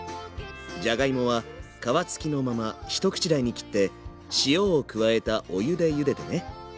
じゃがいもは皮付きのまま一口大に切って塩を加えたお湯でゆでてね。